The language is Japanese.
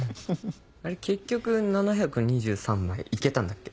あれ結局７２３枚行けたんだっけ？